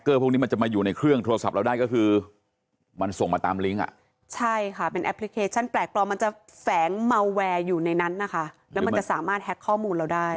เรียกว่าความเข้าใจตรงนี้คือความเข้าใจที่